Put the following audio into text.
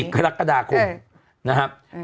๔กรกฎาคมนะฮะ